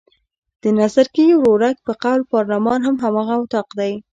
د نظرګي ورورک په قول پارلمان هم هماغه اطاق دی.